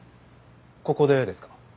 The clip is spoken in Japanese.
ここでですか？